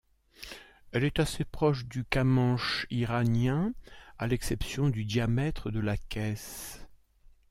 Elle est assez proche du kamânche iranien, à l'exception du diamètre de la caisse.